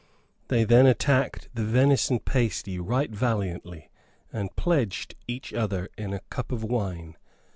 They then attacked the venison pasty right valiantly, and pledged each other in a cup of wine.